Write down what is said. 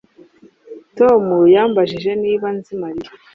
Tom yambajije niba nzi Mariya